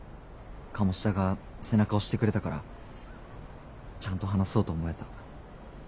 鴨志田が背中押してくれたからちゃんと話そうと思えた。